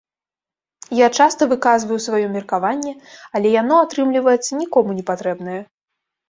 Я часта выказваю сваё меркаванне, але яно, атрымліваецца, нікому не патрэбнае.